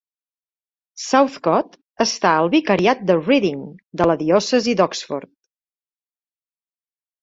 Southcote està al vicariat de Reading de la diòcesi d'Oxford.